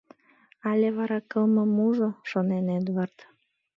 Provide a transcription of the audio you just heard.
“Але вара кылмымужо?” — шонен Эдвард.